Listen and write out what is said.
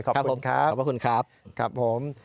ขอบคุณครับขอบพระคุณครับครับผม